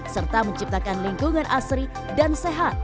serta menciptakan lingkungan asri dan sehat